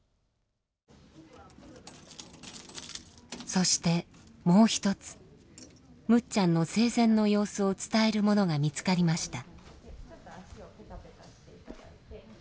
そしてもう一つむっちゃんの生前の様子を伝えるものが見つかりました。